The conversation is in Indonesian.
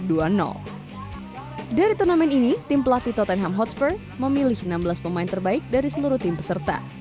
dari turnamen ini tim pelatih tottenham hotspur memilih enam belas pemain terbaik dari seluruh tim peserta